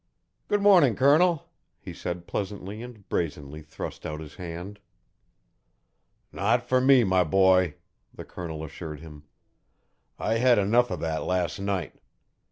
"Good morning, Colonel," he said pleasantly and brazenly thrust out his hand. "Not for me, my boy," the Colonel assured him. "I had enough of that last night.